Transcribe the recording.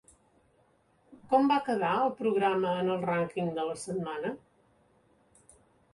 Com va quedar el programa en el rànquing de la setmana?